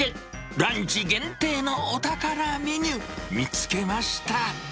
ランチ限定のお宝メニュー見つけました。